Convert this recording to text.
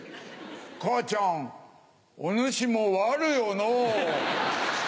母ちゃんお主も悪よのぅ。